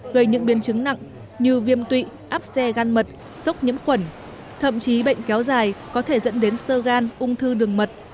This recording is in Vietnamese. gây những biến chứng nặng như viêm tụy áp xe gan mật sốc nhiễm khuẩn thậm chí bệnh kéo dài có thể dẫn đến sơ gan ung thư đường mật